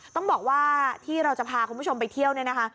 ต้องบอกว่าที่เราจะพาคุณผู้ชมไปเที่ยวเนี่ยนะคะ